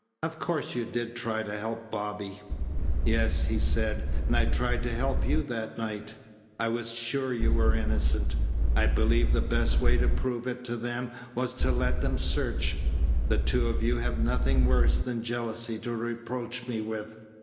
Of course you did try to help Bobby." "Yes," he said, "and I tried to help you that night. I was sure you were innocent. I believed the best way to prove it to them was to let them search. The two of you have nothing worse than jealousy to reproach me with."